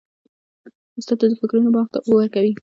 استاد د فکرونو باغ ته اوبه ورکوي.